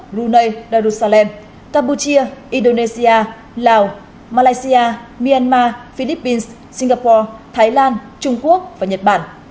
brunei arusalem campuchia indonesia lào malaysia myanmar philippines singapore thái lan trung quốc và nhật bản